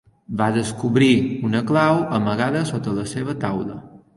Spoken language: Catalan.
Va descobrir una clau amagada sota la seva taula.